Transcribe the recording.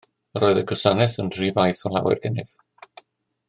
Yr oedd y gwasanaeth yn rhy faith o lawer gennyf.